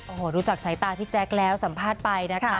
โอ้โหรู้จักสายตาพี่แจ๊คแล้วสัมภาษณ์ไปนะคะ